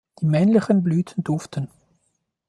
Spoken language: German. Die männlichen Blüten duften.